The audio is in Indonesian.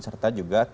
serta juga kewajiban